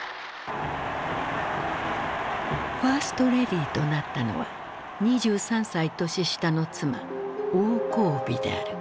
ファーストレディーとなったのは２３歳年下の妻王光美である。